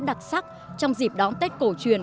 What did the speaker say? đặc sắc trong dịp đón tết cổ truyền